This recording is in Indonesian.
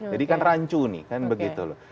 kan rancu nih kan begitu loh